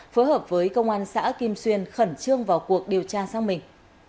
phối hợp với công an xã kim xuyên khẩn trương vào cuộc điều tra sang mình